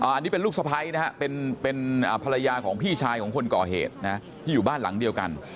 อันนี้เป็นลูกสะพ้ายนะฮะเป็นภรรยาของพี่ชายของคนก่อเหตุนะที่อยู่บ้านหลังเดียวกัน